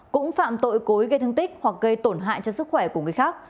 cũng phạm tội cối gây thương tích hoặc gây tổn hại cho sức khỏe của người khác